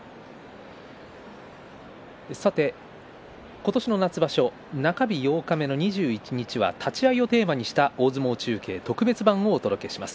今年の夏場所は中日八日目の２１日は立ち合いをテーマにした大相撲放送をお伝えします。